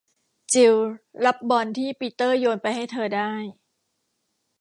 จิลล์รับบอลที่ปีเตอร์โยนไปให้เธอได้